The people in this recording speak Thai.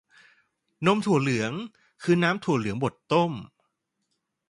นมถั่วเหลือง คือน้ำถั่วเหลืองบดต้ม